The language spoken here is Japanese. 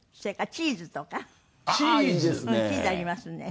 チーズ！チーズありますね。